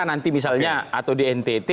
nanti misalnya atau di ntt